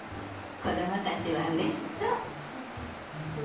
子どもたちはうれしそう。